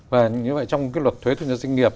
và như vậy trong cái luật thuế thu nhập doanh nghiệp